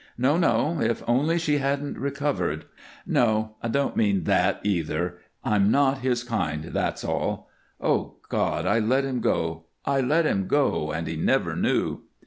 No, no! If only she hadn't recovered No, I don't mean that, either. I'm not his kind, that's all. Ah, God! I let him go I let him go, and he never knew!"